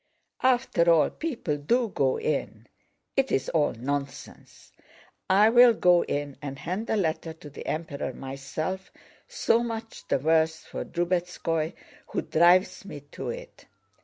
"After all, people do go in.... It's all nonsense! I'll go in and hand the letter to the Emperor myself so much the worse for Drubetskóy who drives me to it!"